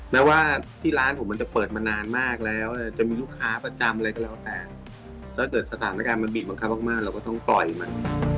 แม้ว่าที่ร้านผมมันจะเปิดมานานมากแล้วจะมีลูกค้าประจำอะไรก็แล้วแต่ถ้าเกิดสถานการณ์มันบีบบังคับมากเราก็ต้องปล่อยมัน